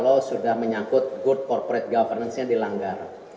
kalau sudah menyangkut good corporate governance nya dilanggar